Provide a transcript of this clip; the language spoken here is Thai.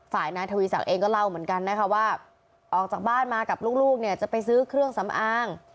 ฝ่ายนายทวีศักดิ์เองก็เล่าเหมือนกันนะคะว่าออกจากบ้านมากับลูกเนี่ยจะไปซื้อเครื่องสำอาง